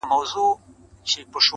ستا د ښايستې خولې ښايستې خبري.